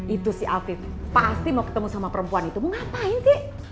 itu sih afif pasti mau ketemu sama perempuan itu mau ngapain dek